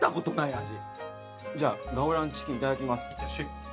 じゃあガオランチキンいただきます。